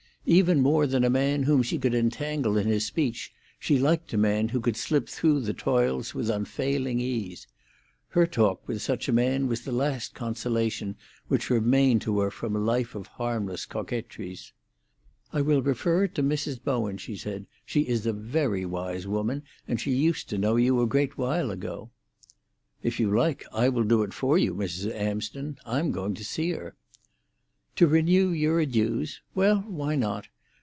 Even more than a man whom she could entangle in his speech she liked a man who could slip through the toils with unfailing ease. Her talk with such a man was the last consolation which remained to her from a life of harmless coquetries. "I will refer it to Mrs. Bowen," she said. "She is a very wise woman, and she used to know you a great while ago." "If you like, I will do it for you, Mrs. Amsden. I'm going to see her." "To renew your adieux? Well, why not?